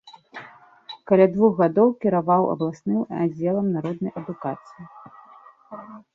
Каля двух гадоў кіраваў абласным аддзелам народнай адукацыі.